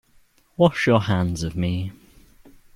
Wash your hands of me.